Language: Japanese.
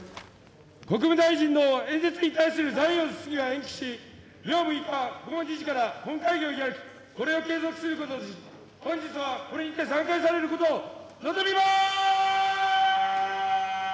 国務大臣の演説に対する残余の質疑は延期し、明６日、この議事から本会議を開き、これを継続することとし、本日はこれにて散会されることを望みます。